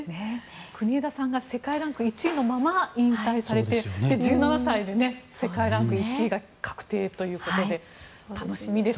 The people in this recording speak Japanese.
国枝さんが世界ランク１位のまま引退されて１７歳で世界ランク１位が確定ということで、楽しみです